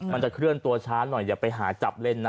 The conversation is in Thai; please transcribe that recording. มันจะเคลื่อนตัวช้าหน่อยอย่าไปหาจับเล่นนะ